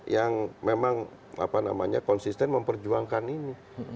yang memang konsisten memperjuangkan ini